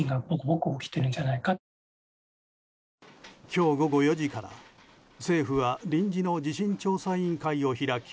今日午後４時から、政府は臨時の地震調査委員会を開き